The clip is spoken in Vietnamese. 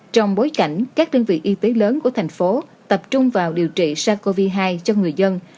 trong bối cảnh các đơn vị y tế lớn của thành phố tập trung vào điều trị sars cov hai cho người dân